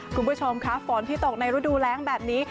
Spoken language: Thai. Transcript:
คุณผู้ชมค่ะฝนที่ตกในฤดูแรงแบบนี้